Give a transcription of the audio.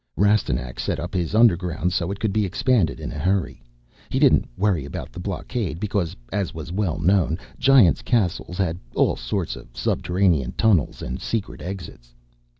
Rastignac set up his underground so it could be expanded in a hurry. He didn't worry about the blockade because, as was well known, Giants' castles had all sorts of subterranean tunnels and secret exits.